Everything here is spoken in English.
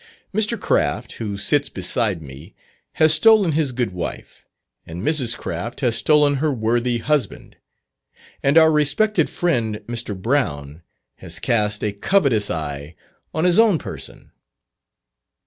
Mr. Craft, who sits beside me, has stolen his good wife, and Mrs. Craft has stolen her worthy husband; and our respected friend, Mr. Brown, has cast a covetous eye on his own person.